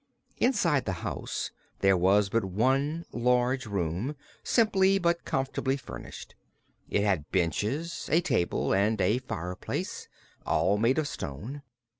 Inside the house there was but one large room, simply but comfortably furnished. It had benches, a table and a fireplace, all made of stone.